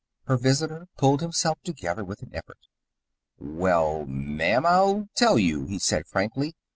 Her visitor pulled himself together with an effort. "Well, ma'am, I'll tell you," he said frankly.